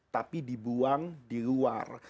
tapi dibuang di luar